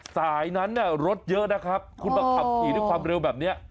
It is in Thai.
สายนั้นรถเยอะนะครับคุณมาขับขี่ด้วยความเร็วแบบนี้